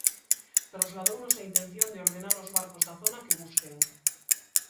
Trasladounos a intención de ordenar aos barcos da zona que busquen.